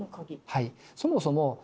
はい。